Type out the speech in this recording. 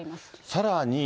さらに。